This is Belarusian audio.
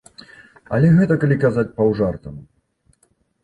Але гэта калі казаць паўжартам.